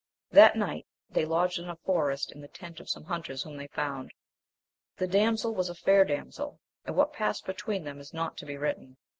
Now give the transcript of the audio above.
That night they lodged in a forest, in the tent of some hunters whom they found. The damsel was a fair damsel, and what passed between them is not to be written.